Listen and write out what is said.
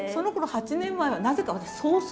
８年前はなぜか私総帥！？